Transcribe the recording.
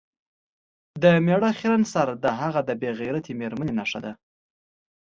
د میړه خیرن سر د هغه د بې غیرتې میرمنې نښه ده.